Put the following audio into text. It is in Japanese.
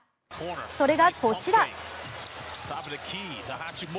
それが、こちら。